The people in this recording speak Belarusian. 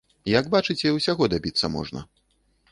Як бачыце, усяго дабіцца можна.